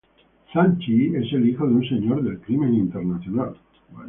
Shang-Chi es el hijo de un señor del crimen internacional.